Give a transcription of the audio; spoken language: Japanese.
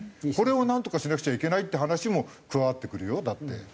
これをなんとかしなくちゃいけないって話も加わってくるよだって。